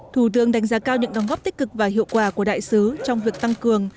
thủ tướng đánh giá cao những đóng góp tích cực và hiệu quả của đại sứ trong việc tăng cường